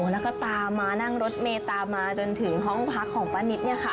เอามานั่งรถโมเวย์ตามมาจนถึงห้องพักของป้านิด